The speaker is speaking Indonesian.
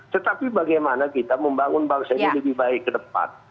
tetapi bagaimana kita membangun bangsa ini lebih baik ke depan